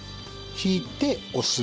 引いて押す。